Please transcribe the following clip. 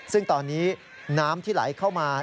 ซึ่งตอนนี้น้ำที่ไหลเข้ามา